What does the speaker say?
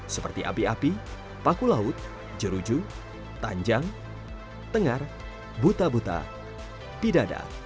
seperti api api paku laut jeruju panjang tengar buta buta pidada